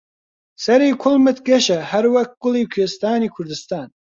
سەری کوڵمت گەشە هەروەک گوڵی کوێستانی کوردستان